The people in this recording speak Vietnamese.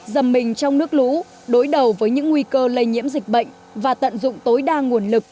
dầm mình trong nước lũ đối đầu với những nguy cơ lây nhiễm dịch bệnh và tận dụng tối đa nguồn lực